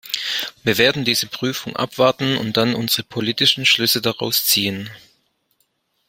Wir werden diese Prüfung abwarten und dann unsere politischen Schlüsse daraus ziehen.